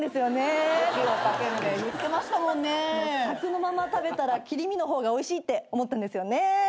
さくのまま食べたら切り身の方がおいしいって思ったんですよね。